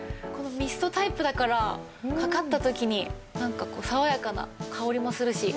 ミストタイプだからかかった時になんかこう爽やかな香りもするし。